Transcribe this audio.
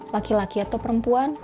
laki laki atau perempuan